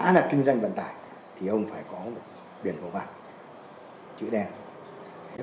đã là kinh doanh vận tải thì không phải có biển hồ vàng chữ đen